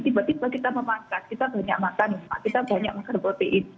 tiba tiba kita memasak kita banyak makan kita banyak makan protein